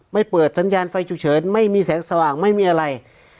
เปิดสัญญาณไฟฉุกเฉินไม่มีแสงสว่างไม่มีอะไร